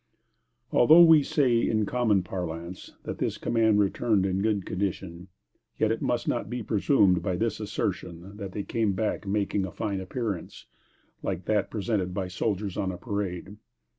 Although we say, in common parlance, that this command returned in good condition, yet it must not be presumed by this assertion that they came back making a fine appearance, like that presented by soldiers on a parade.